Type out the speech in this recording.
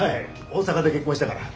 大阪で結婚したから。